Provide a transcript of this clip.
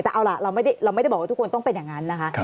แต่เอาล่ะเราไม่ได้บอกว่าทุกคนต้องเป็นอย่างนั้นนะคะ